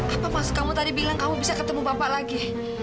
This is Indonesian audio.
apa maksud kamu tadi bilang kamu bisa ketemu bapak lagi